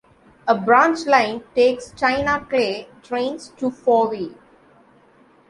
A branch line takes china clay trains to Fowey.